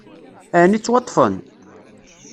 Ɛni ttwaṭṭfen?